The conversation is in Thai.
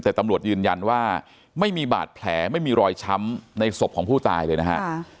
แต่ตำรวจยืนยันว่าไม่มีบาดแผลไม่มีรอยช้ำในศพของผู้ตายเลยนะฮะ